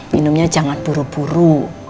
minumnya jangan buru buru